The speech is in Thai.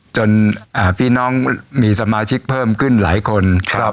พี่น้องมีสมาชิกเพิ่มขึ้นหลายคน